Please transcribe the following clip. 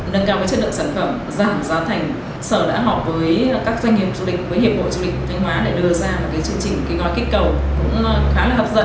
để đưa ra một chương trình kế hoạch kích cầu cũng khá là hấp dẫn